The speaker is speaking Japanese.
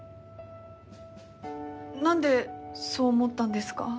何でそう思ったんですか？